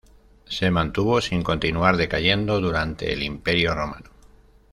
Se mantuvo sin continuar decayendo durante el Imperio romano.